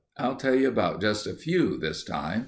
I'll tell you about just a few this time."